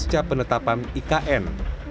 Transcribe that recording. sejak penetapan ikn